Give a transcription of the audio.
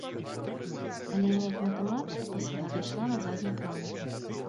Але неяк матэматыка пасля адышла на задні план.